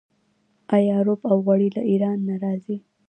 آیا رب او غوړي له ایران نه راځي؟